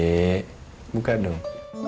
oke buka dong